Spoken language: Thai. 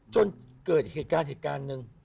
จนเกิดเหตุการณ์หนึ่ง